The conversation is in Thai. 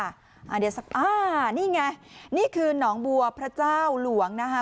อ่านี่ไงนี่คือน้องบัวพระเจ้าหลวงนะฮะ